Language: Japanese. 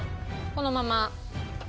このまま。